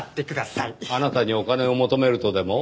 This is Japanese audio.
あなたにお金を求めるとでも？